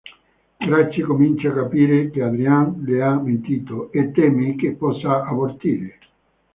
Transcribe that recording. Grace comincia a capire che Adrian le ha mentito e teme che possa abortire.